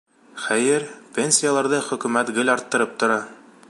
Хәйер, пенсияларҙы Хөкүмәт гел арттырып тора.